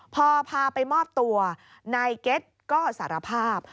พอพาไปมอบตัวนายเก็ตก็สารภาพ